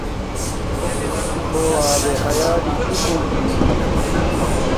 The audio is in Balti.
کھو آبِ حیاتی چھُو تُھونگفی اِنمنگ